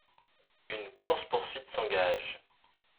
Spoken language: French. Une course poursuite s'engage.